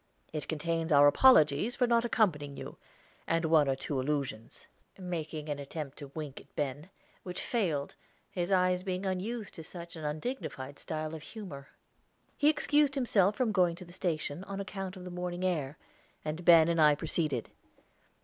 It contains our apologies for not accompanying you, and one or two allusions," making an attempt to wink at Ben, which failed, his eyes being unused to such an undignified style of humor. He excused himself from going to the station on account of the morning air, and Ben and I proceeded.